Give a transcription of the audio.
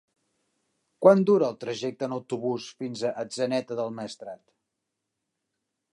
Quant dura el trajecte en autobús fins a Atzeneta del Maestrat?